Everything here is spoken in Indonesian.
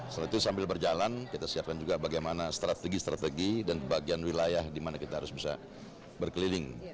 setelah itu sambil berjalan kita siapkan juga bagaimana strategi strategi dan bagian wilayah di mana kita harus bisa berkeliling